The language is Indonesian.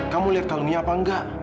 kamu liat kalungnya apa enggak